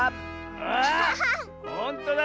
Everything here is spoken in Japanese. あほんとだ！